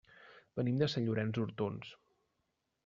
Venim de Sant Llorenç d'Hortons.